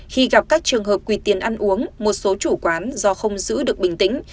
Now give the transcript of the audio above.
khi gặp các trường hợp quỳ tiền ăn uống một số chủ quán do không giữ được bình tĩnh